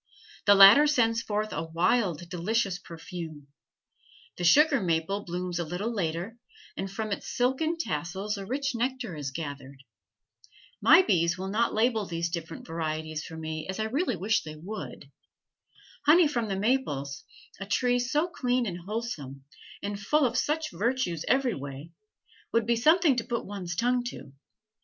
The latter sends forth a wild, delicious perfume. The sugar maple blooms a little later, and from its silken tassels a rich nectar is gathered. My bees will not label these different varieties for me as I really wish they would. Honey from the maples, a tree so clean and wholesome, and full of such virtues every way, would be something to put one's tongue to.